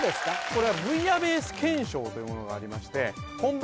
これはブイヤベース憲章というものがありまして本場